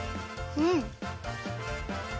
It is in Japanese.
うん。